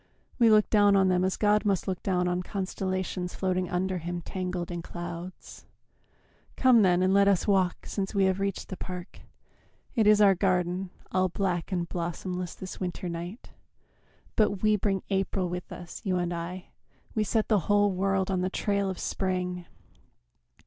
We look down on them as God must look down On constellations floating under Him Tangled in clouds. ... Come, then, and let us walk Since we have reached the park. It is our garden, All black and blossomless this winter night, But we bring April with us, you and I; We set the whole world on the trail of spring.